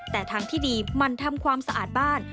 แต่ทางที่ดีมันทำความสะอาดบ้าน